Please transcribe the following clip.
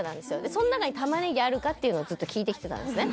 その中に「玉ねぎあるか？」っていうのをずっと聞いてきてたんですね